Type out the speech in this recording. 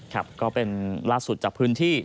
ครับก็เป็นล่าสุดจากพื้นที่